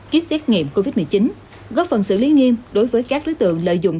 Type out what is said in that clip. kit xét nghiệm covid một mươi chín góp phần xử lý nghiêm đối với các đối tượng lợi dụng